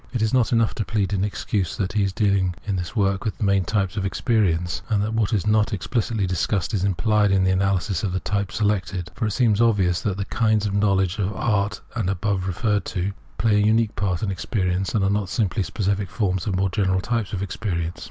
It is not enough to plead in excuse that he is deahng in this work with the main types of experience, and that what is not ex pHcitly discussed is imphed in the analyses of the types selected ; for it seems obvious that the kinds of know ledge and of art above referred to play a unique part in experience, and are not simply specific forms of more general types of experience.